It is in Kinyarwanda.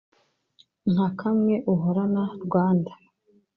nka kamwe uhorana rwanda